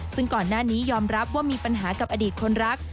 ซึ่งก่อนหน้านี้ยอมรับว่ามีปัญหากับอดีตคนรัก